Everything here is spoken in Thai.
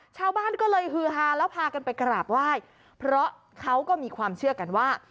ชาวบ้านก็เลยฮือฮาแล้วพากันไปกราบไหว้เพราะเขาก็มีความเชื่อกันว่า